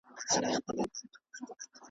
څنګ کې د فتح به د رابیا خوبونه څنګه وو؟